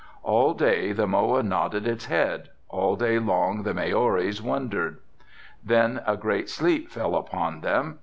All day the moa nodded its head, all day long the Maoris wondered. Then a great sleep fell upon them.